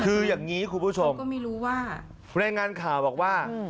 คืออย่างนี้คุณผู้ชมแรงงานข่าวบอกว่า